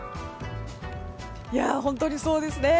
本当にそうですね。